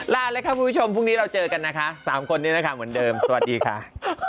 ลาเลยค่ะคุณผู้ชมพรุ่งนี้เราเจอกันนะคะ๓คนนี้นะคะเหมือนเดิมสวัสดีค่ะ